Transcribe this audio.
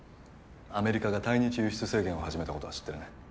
アメリカが対日輸出制限を始めたことは知ってるね。